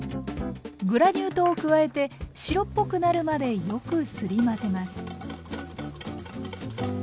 グラニュー糖を加えて白っぽくなるまでよくすり混ぜます。